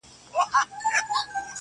څو؛ د ژوند په دې زوال کي کړې بدل.